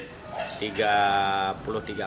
tiga juta dolar